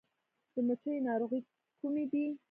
د مچیو ناروغۍ کومې دي؟